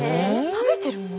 食べてるもの？